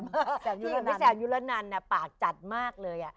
แต่พี่แซมยุระนันปากจัดมากเลย